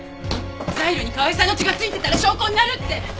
ザイルに河合さんの血が付いてたら証拠になるって！